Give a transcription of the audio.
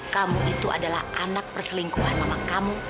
kamu itu adalah anak perselingkuhan mama kamu